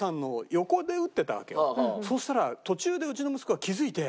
そしたら途中でうちの息子が気付いて。